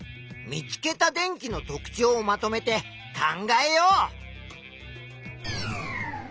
見つけた電気の特ちょうをまとめて考えよう。